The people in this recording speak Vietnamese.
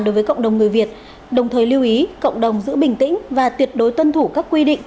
đối với cộng đồng người việt đồng thời lưu ý cộng đồng giữ bình tĩnh và tuyệt đối tuân thủ các quy định